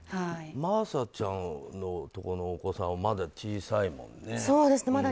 真麻ちゃんのところのお子さんはまだ小さいもんね。